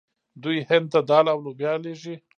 دوی هند ته دال او لوبیا لیږي.